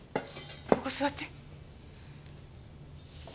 ここ座って。